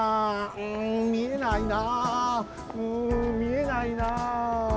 うんみえないなうんみえないな。